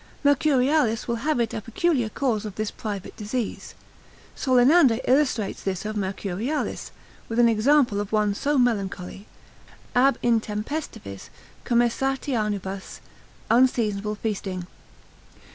Mercurialis will have it a peculiar cause of this private disease; Solenander, consil. 5. sect. 3, illustrates this of Mercurialis, with an example of one so melancholy, ab intempestivis commessationibus, unseasonable feasting.